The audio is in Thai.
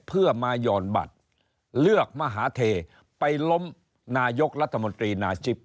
เพื่อมาหย่อนบัตรเลือกมหาเทไปล้มนายกรัฐมนตรีนาจิป